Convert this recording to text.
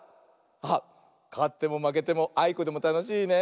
あっかってもまけてもあいこでもたのしいね。